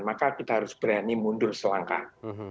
maka kita harus berani mundur selangkah